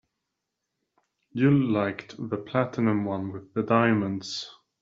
You liked the platinum one with the diamonds.